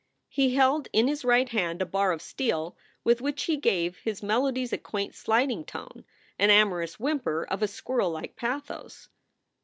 He held in his right hand a bar of steel with which he gave his melodies a quaint sliding tone, an amorous whimper of a squirrellike pathos.